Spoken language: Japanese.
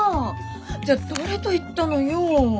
じゃあ誰と行ったのよ。